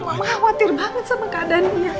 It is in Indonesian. mama khawatir banget sama keadaannya pak